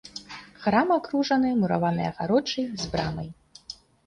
Храм акружаны мураванай агароджай з брамай.